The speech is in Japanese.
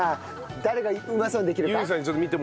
誰がうまそうにできるか？